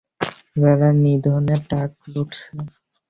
যারা নিরোধের ট্রাক লুটছে।